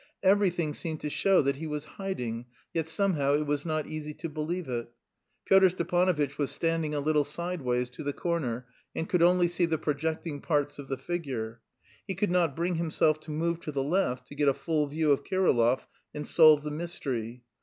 Everything seemed to show that he was hiding, yet somehow it was not easy to believe it. Pyotr Stepanovitch was standing a little sideways to the corner, and could only see the projecting parts of the figure. He could not bring himself to move to the left to get a full view of Kirillov and solve the mystery.